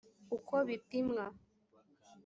uko bipimwa